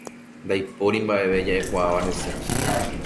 Ndaipóri mba'eve ja'ekuaáva hese.